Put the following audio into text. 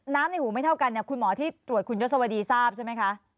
ในหูไม่เท่ากันเนี่ยคุณหมอที่ตรวจคุณยศวดีทราบใช่ไหมคะ